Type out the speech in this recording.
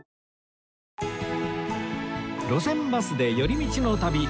『路線バスで寄り道の旅』